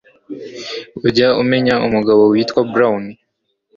Ujya umenya umugabo witwa Brown?